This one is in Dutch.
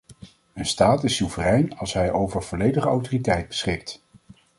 Een staat is soeverein als hij over volledige autoriteit beschikt.